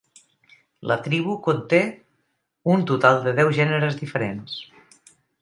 La tribu conté un total de deu gèneres diferents.